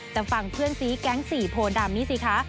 แต่ฟังเพื่อนซีแก๊งสี่โพดำนี่สิคะ